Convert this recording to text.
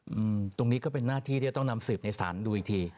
อื้มตรงนี้ก็เป็นหน้าที่ที่เข้าไปสืบในสรรดูอีกที